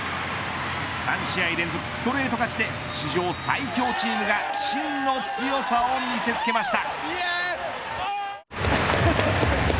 ３試合連続ストレート勝ちで史上最強チームが真の強さを見せつけました。